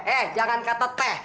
eh jangan kata teh